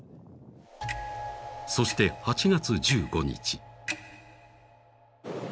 そして８月１５日。